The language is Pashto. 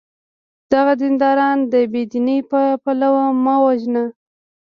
دغه دینداران د بې دینی په پلمو مه وژنه!